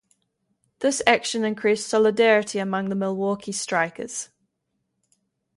This action increased solidarity among the Milwaukee strikers.